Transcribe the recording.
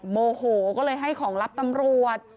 โมโหก็เลยให้ของรับตำรวจ